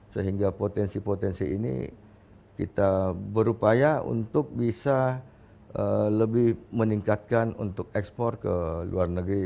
sehingga potensi potensi ini kita berupaya untuk bisa lebih meningkatkan untuk ekspor ke luar negeri